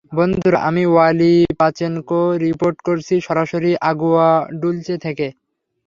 বন্ধুরা, আমি Wali Pachenko, রিপোর্ট করছি সরাসরি আগুয়া ডুলসে থেকে।